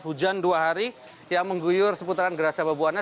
hujan dua hari yang mengguyur seputaran gerasa babuana